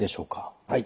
はい。